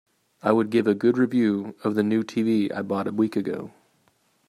I would give a good review of the new TV I bought a week ago.